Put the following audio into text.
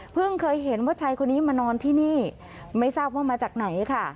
เคยเห็นว่าชายคนนี้มานอนที่นี่ไม่ทราบว่ามาจากไหนค่ะ